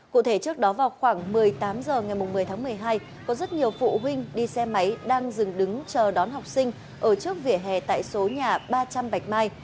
cụ thể trước đó vào khoảng một mươi tám h ngày một mươi tháng một mươi hai có rất nhiều phụ huynh đi xe máy đang dừng đứng chờ đón học sinh ở trước vỉa hè tại số nhà ba trăm linh bạch mai